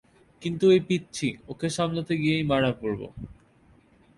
কিন্তু ঐ পিচ্চি, ওকে সামলাতে গিয়েই মারা পড়বো।